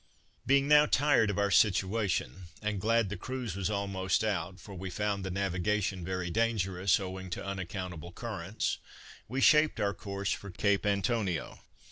Being now tired of our situation, and glad the cruise was almost out, for we found the navigation very dangerous, owing to unaccountable currents; we shaped our course for Cape Antonio.